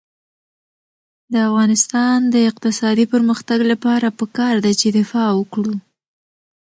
د افغانستان د اقتصادي پرمختګ لپاره پکار ده چې دفاع وکړو.